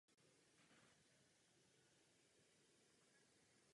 Později byla vesnice rozdělena na dva díly.